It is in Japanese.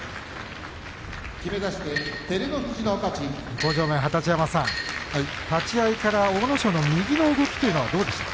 向正面の二十山さん立ち合いから、阿武咲の右の動きはどうでしたか？